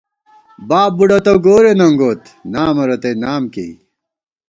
باب بُوڈہ تہ گورے ننگوت نامہ رتئی نام کېئی